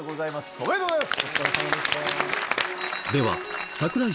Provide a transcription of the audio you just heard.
おめでとうございます。